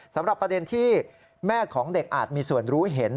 สำหรับประเด็นที่แม่ของเด็กอาจมีส่วนรู้เห็น